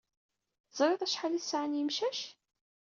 Teẓriḍ acḥal i tesɛa n yimcac?